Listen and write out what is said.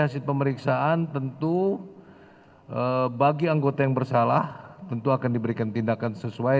hasil pemeriksaan tentu bagi anggota yang bersalah tentu akan diberikan tindakan sesuai